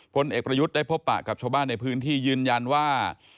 พลเอกประยุทธ์ได้พบปะกับชาวบ้านในพื้นที่ยืนยันว่า